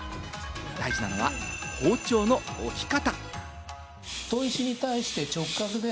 大事なのは包丁の置き方。